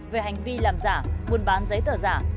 về hành vi làm giả buôn bán giấy tờ giả